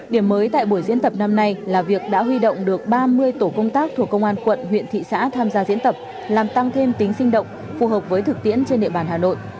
điểm mới tại buổi diễn tập năm nay là việc đã huy động được ba mươi tổ công tác thuộc công an quận huyện thị xã tham gia diễn tập làm tăng thêm tính sinh động phù hợp với thực tiễn trên địa bàn hà nội